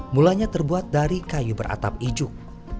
mulanya terbuat dari kayu beratap ijuk